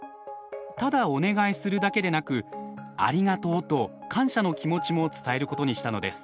ただお願いするだけでなく「ありがとう」と感謝の気持ちも伝えることにしたのです。